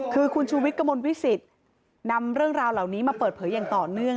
คือคุณชูวิทย์กระมวลวิสิตนำเรื่องราวเหล่านี้มาเปิดเผยอย่างต่อเนื่อง